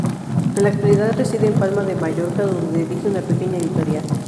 En la actualidad reside en Palma de Mallorca, donde dirige una pequeña editorial.